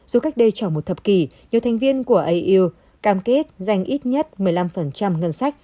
dù cách đây tròn một thập kỷ nhiều thành viên của au cam kết dành ít nhất một mươi năm ngân sách